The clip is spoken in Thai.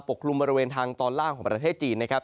กลุ่มบริเวณทางตอนล่างของประเทศจีนนะครับ